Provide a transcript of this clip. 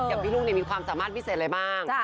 อย่างพี่รุ่งมีความสามารถพิเศษอะไรบ้าง